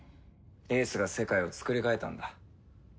英寿が世界をつくり変えたんだ。